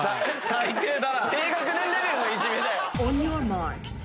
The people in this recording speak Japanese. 最低だな。